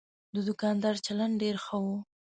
د دوکاندار چلند ډېر ښه و.